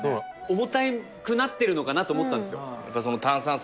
重たくなってるのかなと思ったんですよ